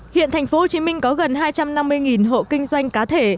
hiện tp hcm có gần hai trăm năm mươi hộ kinh doanh cà phê